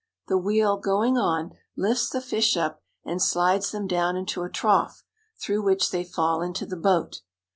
The wheel, going on, lifts the fish up and slides them down into a trough, through which they fall into the boat.